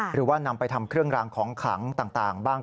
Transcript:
หรือว่านำไปทำเครื่องรางของขลังต่างบ้าง